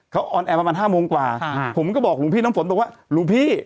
เขาออนแอร์ประมาณห้าโมงกว่าผมก็บอกหลวงพี่น้ำฝนบอกว่าหลวงพี่